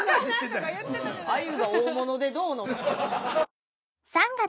アユが大物でどうの。